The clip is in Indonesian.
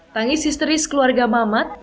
tangis histeris keluarga mamat